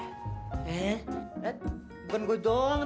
eh bukan gue doang